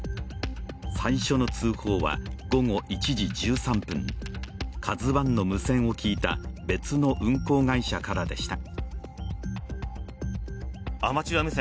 最初の通報は午後１時１３分、「ＫＡＺＵⅠ」の無線を聞いた別の運航会社からでした。